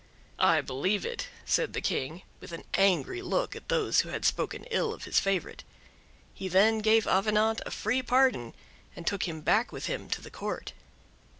"I believe it," said the King, with an angry look at those who had spoken ill of his favorite; he then gave Avenant a free pardon and took him back with him to the court.